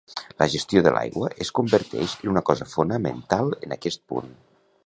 La gestió de l'aigua es converteix en una cosa fonamental en aquest punt.